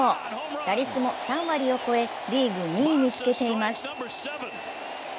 打率も３割を超え、リーグ２位につけています。